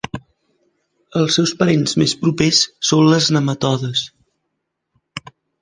Els seus parents més propers són les nematodes.